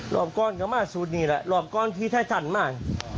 รอบก้อนก็มากสุดนี่แหละรอบก้อนที่ไทยทันมาก